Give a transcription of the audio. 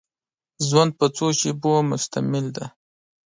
ژوند په څو شېبو مشتمل دی.